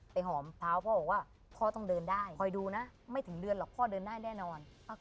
ไปหอมท้าน